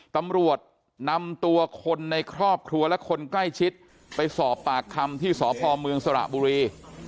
ตำรวจนำตัวคนในครอบครัวและคนใกล้ชิดไปสอบปากคำที่สพเมืองสระบุรี